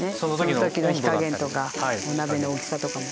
そのときの火加減とかお鍋の大きさとかも。